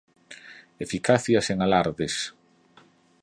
Eficacia sen alardes